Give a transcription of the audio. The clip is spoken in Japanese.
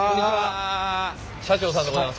社長さんでございますか。